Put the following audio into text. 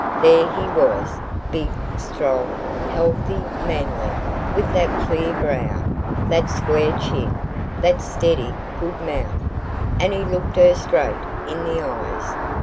There he was, big, strong, healthy, manly, with that clear brow, that square chin, that steady, good mouth; and he looked her straight in the eyes.